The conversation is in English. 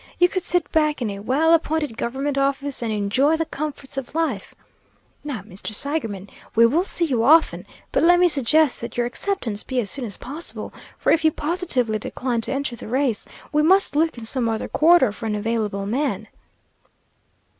You could sit back in a well appointed government office and enjoy the comforts of life. Now, Mr. Seigerman, we will see you often, but let me suggest that your acceptance be as soon as possible, for if you positively decline to enter the race, we must look in some other quarter for an available man."